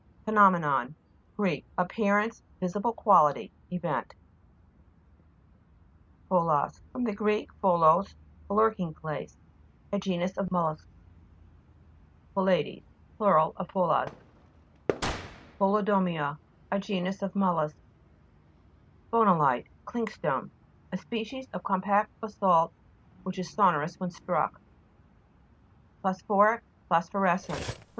PHENO'MENON Gr. Appearance, vi sible quality, event. PHO'LAS fr. gr. p/ioleos, a lurking place. A genus of mollusks. 20 PHO'LADKS Plur. of Pholas. PHO'LODOMY'A A genus of mol lusks. PHO'NOLITE Clinkstone, a species of compact basalt, which is sonor ous when struck (p. 171). PHOSPHO'HIC ? fr. gr.